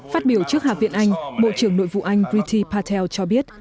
phát biểu trước hạ viện anh bộ trưởng nội vụ anh brity patel cho biết